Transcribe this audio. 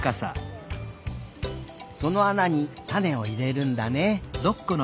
そのあなにたねをいれるんだね。